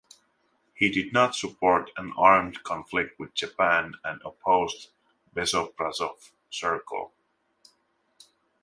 He did not support an armed conflict with Japan and opposed the Bezobrazov Circle.